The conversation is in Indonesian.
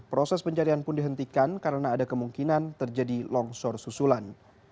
proses pencarian pun dihentikan karena ada kemungkinan terjadi longsor susulan